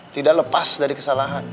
tidak lepas dari kesalahan